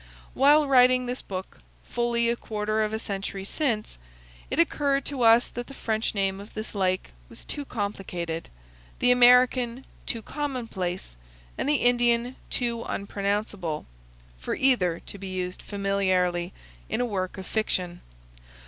While writing this book, fully a quarter of a century since, it occurred to us that the French name of this lake was too complicated, the American too commonplace, and the Indian too unpronounceable, for either to be used familiarly in a work of fiction.